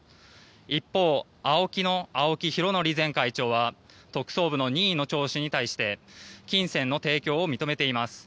一方ＡＯＫＩの青木拡憲前会長は特捜部の任意の聴取に対して金銭の提供を認めています。